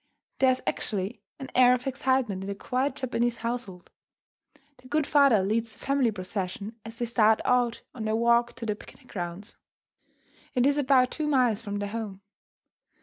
There is actually an air of excitement in the quiet Japanese household. The good father leads the family procession as they start out on their walk to the picnic grounds. It is about two miles from their home.